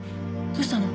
どうしたの？